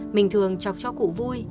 mình thường chọc cho cụ vui